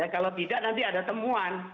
kalau tidak nanti ada temuan